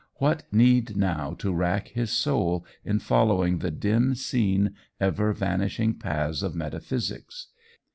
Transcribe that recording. What need now to rack his soul in following the dim seen, ever evanishing paths of metaphysics!